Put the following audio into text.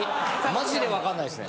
マジで分かんないですね。